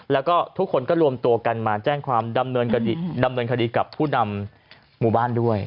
แล้วก็ทุกคนก็รวมตัวกันมาแจ้งความดำเนินคดีกับผู้นำหมู่บ้านด้วย